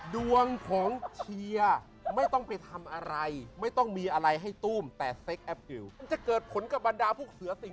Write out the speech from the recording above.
ดวงของเชียร์ไม่ต้องไปทำอะไร